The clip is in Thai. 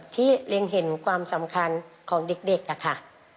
เล็งเห็นความสำคัญของเด็กค่ะ